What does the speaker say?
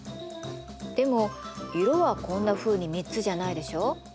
でも色はこんなふうに３つじゃないでしょう？